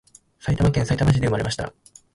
埼玉県さいたま市で産まれました